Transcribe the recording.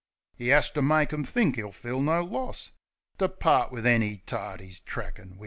'E 'as to make 'em think 'e'll feel no loss To part wiv any tart 'e's trackin' wiv.